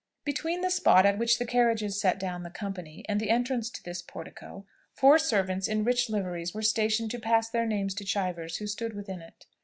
Between the spot at which the carriages set down the company, and the entrance to this portico, four servants in rich liveries were stationed to pass their names to Chivers, who stood within it.